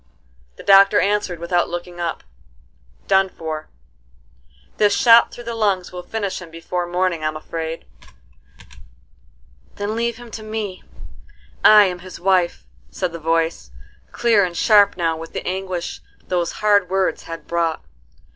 The doctor answered without looking up: "Done for: this shot through the lungs will finish him before morning I'm afraid." "Then leave him to me: I am his wife," said the voice, clear and sharp now with the anguish those hard words had brought.